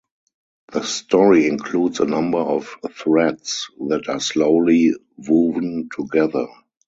The story includes a number of threads that are slowly woven together.